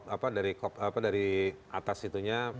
apa dari atas situnya